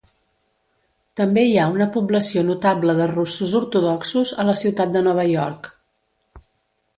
També hi ha una població notable de russos ortodoxos a la ciutat de Nova York.